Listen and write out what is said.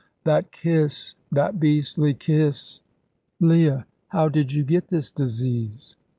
That kiss, that beastly kiss!" "Leah, how did you get this disease?"